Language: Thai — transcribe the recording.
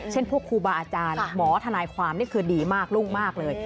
พวกครูบาอาจารย์หมอทนายความนี่คือดีมากรุ่งมากเลย